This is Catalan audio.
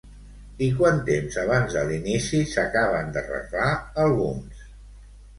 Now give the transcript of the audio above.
I quant temps abans de l'inici s'acaben d'arreglar alguns?